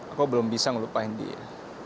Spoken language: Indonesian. aku belum bisa melupain dia